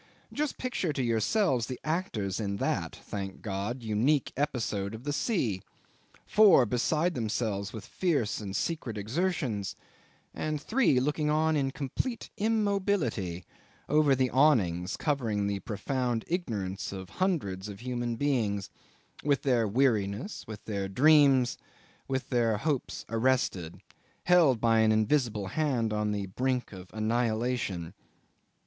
Just picture to yourselves the actors in that, thank God! unique, episode of the sea, four beside themselves with fierce and secret exertions, and three looking on in complete immobility, above the awnings covering the profound ignorance of hundreds of human beings, with their weariness, with their dreams, with their hopes, arrested, held by an invisible hand on the brink of annihilation.